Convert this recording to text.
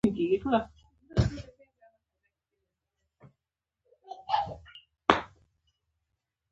په پښتو کې اووه غږيز توري دي: اَ، اِ، اُ، اٗ، اٰ، اٖ، أ.